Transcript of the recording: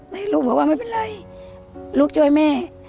ลูกบอกว่าไม่เป็นไรลูกช่วยแม่